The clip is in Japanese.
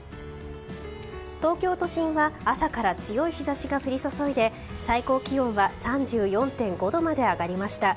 東京都心は朝から強い日差しが降り注いで最高気温は３４．５度まで上がりました。